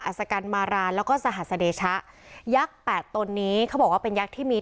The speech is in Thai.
สกันมารานแล้วก็สหัสเดชะยักษ์แปดตนนี้เขาบอกว่าเป็นยักษ์ที่มี